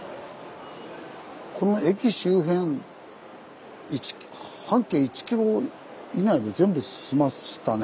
この駅周辺半径１ｋｍ以内で全部済ましたね